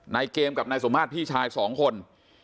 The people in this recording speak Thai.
นายเกมกับนายสมมาตรพี่ชายสองคน